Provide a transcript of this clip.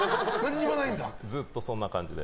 ずっとそんな感じで。